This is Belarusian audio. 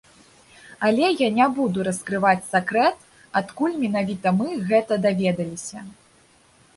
Але я не буду раскрываць сакрэт, адкуль менавіта мы гэта даведаліся.